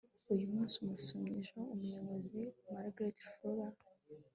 uyu munsi umusomyi, ejo umuyobozi. - margaret fuller